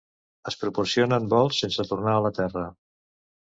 Es proporcionen vols sense tornar a la Terra.